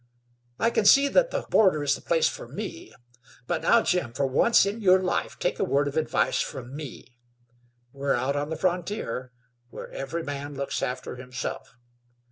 I can see that the border is the place for me. But now, Jim, for once in your life take a word of advice from me. We're out on the frontier, where every man looks after himself.